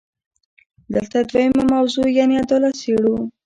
دلته دویمه موضوع یعنې عدالت څېړو.